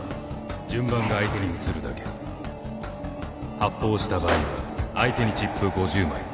発砲した場合は相手にチップ５０枚。